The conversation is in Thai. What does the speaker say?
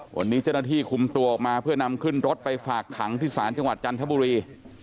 วันนี้เจ้าหน้าที่คุมตัวออกมาเพื่อนำขึ้นรถไปฝากขังที่ศาลจังหวัดจันทบุรี